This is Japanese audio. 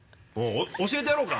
教えてやろうか？